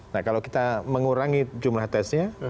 nah kalau kita mengurangi jumlah tesnya